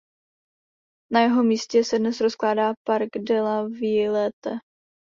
Na jeho místě se dnes rozkládá Parc de la Villette.